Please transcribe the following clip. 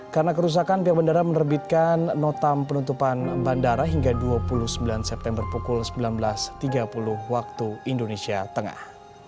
karena kerusakan pihak bandara menerbitkan notam penutupan bandara hingga dua puluh sembilan september pukul sembilan belas tiga puluh wib